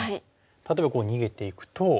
例えばこう逃げていくと。